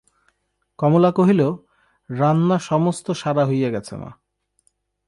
কমলা কহিল, রান্না সমস্ত সারা হইয়া গেছে মা।